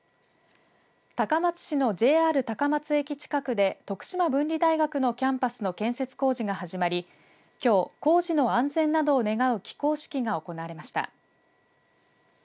高松市のＪＲ高松駅近くで徳島文理大学のキャンパスの建設工事が始まりきょう、工事の安全などを願う起工式が行われました。